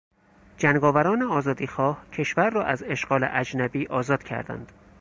جنگاوران آزادیخواه کشور را از اشغال اجنبی آزاد کردند.